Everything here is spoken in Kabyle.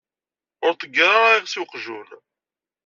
Ur ṭeggir ara iɣes i weqjun.